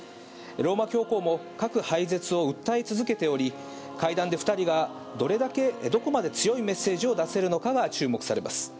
ローマ教皇も核廃絶を訴え続けており、会談で２人がどこまで強いメッセージを出せるのかが注目されます。